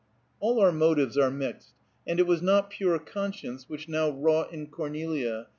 All our motives are mixed, and it was not pure conscience which now wrought in Cornelia.